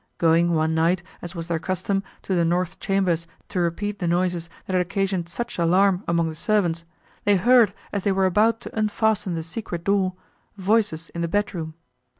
Going, one night, as was their custom, to the north chambers to repeat the noises, that had occasioned such alarm among the servants, they heard, as they were about to unfasten the secret door, voices in the bedroom.